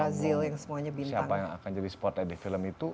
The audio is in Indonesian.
jadi kalau kita nunggu siapa yang akan jadi spotlight di film itu